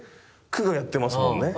区がやってますもんね？